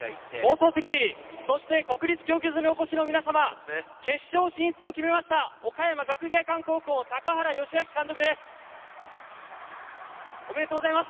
国立競技場にお越しの皆様、決勝進出を決めました、岡山学芸館高校・高原良明監督です。